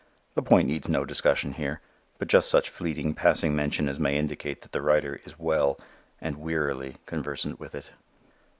The point needs no discussion here, but just such fleeting passing mention as may indicate that the writer is well and wearily conversant with it.